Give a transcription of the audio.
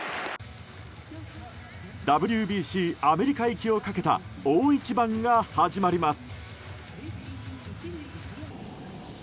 ＷＢＣアメリカ行きをかけた大一番が始まります。